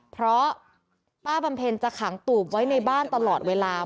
เพราะป้าบำเพ็ญจะขังตูบไว้ในบ้านตลอดเวลา